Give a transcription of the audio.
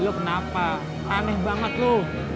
lo kenapa aneh banget lo